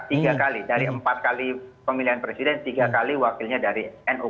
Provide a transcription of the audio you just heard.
tiga kali dari empat kali pemilihan presiden tiga kali wakilnya dari nu